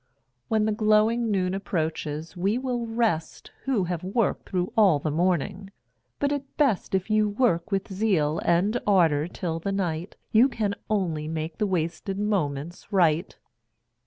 When the glowing noon approaches, we will rest Who have worked through all the morning; but at best, If you work with zeal and ardor till the night, You can only make the wasted moments right.